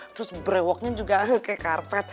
terus brewoknya juga kayak karpet